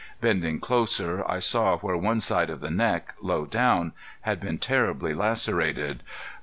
Bending closer, I saw where one side of the neck, low down, had been terribly lacerated.